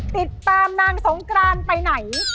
ติดตามนางสงกรานไปไหน